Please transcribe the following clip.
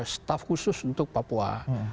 staff khusus untuk papua